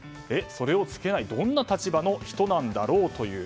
それをつけないどんな立場の人なんだろうという。